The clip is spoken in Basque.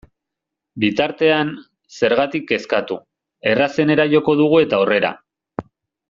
Bitartean, zergatik kezkatu, errazenera joko dugu eta aurrera!